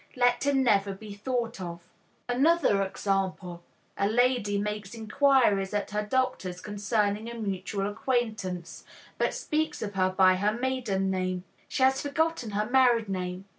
"Let him never be thought of." Another example: A lady makes inquiries at her doctor's concerning a mutual acquaintance, but speaks of her by her maiden name. She has forgotten her married name.